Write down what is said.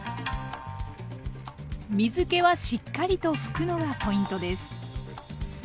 水けはしっかりと拭くのがポイントです。